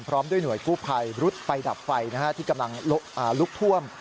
พร้อมด้วยหน่วยกู้ภัยรุดไปดับไฟที่กำลังลุกท่วม